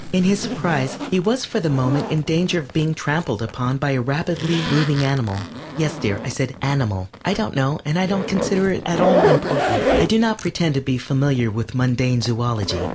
In his surprise he was for the moment in danger of being trampled upon by a rapidly moving animal. Yes, dear, I said "animal." I don't know and I don't consider it at all important. I do not pretend to be familiar with mundane zoölogy.